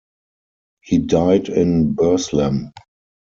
He died in Burslem.